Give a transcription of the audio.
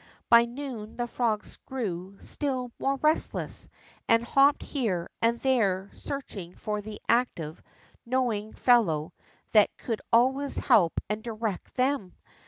By noon the frogs grew still more restless, and hopped here and there searching for the active, knowing fellow that could always help and direct them.